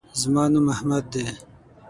زما نوم احمد دے